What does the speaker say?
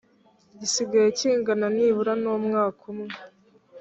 gisigaye kingana nibura n umwaka umwe